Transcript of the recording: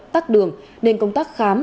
tắt đường nên công tác khám